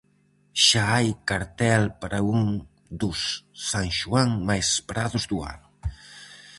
Xa hai cartel para un dos San Xoán máis esperados do ano.